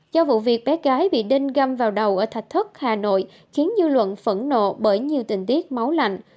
do vụ việc bé gái bị đinh găm vào đầu ở thạch thất hà nội khiến dư luận phẫn nộ bởi nhiều tình tiết máu lạnh